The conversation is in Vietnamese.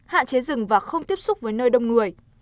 hạn chế rừng và không tiếp xúc với nơi đông người